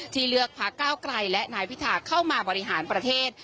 ที่เลือกพักเก้าไกลและนายพิธาเข้ามาบริหารประเทศ